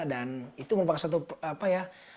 dan itu merupakan satu apa ya